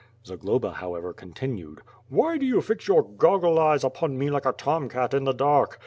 ^^ Zagloba how ever continued: "Why do you fix your goggle eyes upon me like a tom cat in the dark?